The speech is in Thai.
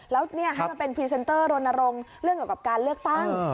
แล้วให้มาเป็นพรีเซนเตอร์รณรงค์เรื่องเกี่ยวกับการเลือกตั้ง